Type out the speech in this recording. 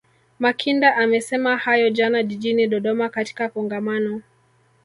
Makinda amesema hayo jana jijini Dodoma katika Kongamano